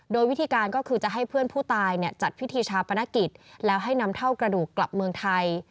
โดยวิธีการก็คือจะให้เพื่อนผู้ตายจัดพิธีชาปนกิจแล้วให้นำเท่ากระดูกกลับเมืองไทย